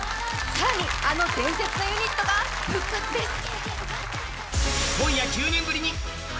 更にあの伝説のユニットが復活です。